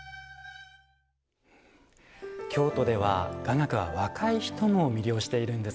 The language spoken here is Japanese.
京都では雅楽は若い人も魅了しているんですね。